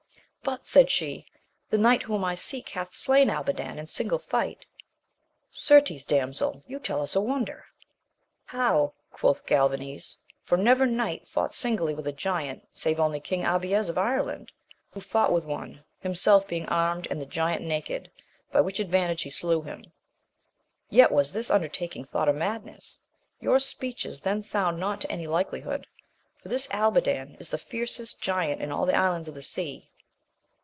But, said she, the knight whom I seek hath slain Albadan in single fight. — Certes, damsel, you tell us wonder ! how, quoth Gal vanes, for never knight fought singly with a giant, save only King Abies of Ireland, who fought with one, himself being armed and the giant naked, by which advantage he slew him ; yet was this under taking thought a madness : your speeches then sound not to any likelihood, for this Albadan is the fiercest giant in all the islands of the sea.